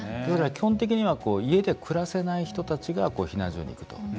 基本的には家で暮らせない人たちが避難所に行くと。